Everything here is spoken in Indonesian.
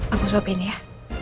aku sopin ya